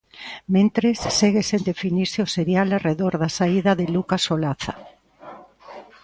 Mentres segue sen definirse o serial arredor da saída de Lucas Olaza.